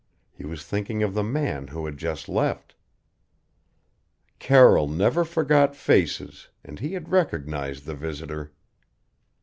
He was thinking of the man who had just left. Carroll never forgot faces, and he had recognized the visitor.